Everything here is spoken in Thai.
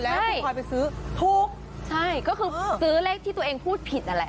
แล้วคุณพลอยไปซื้อถูกใช่ก็คือซื้อเลขที่ตัวเองพูดผิดนั่นแหละ